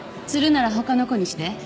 釣るなら他の子にして。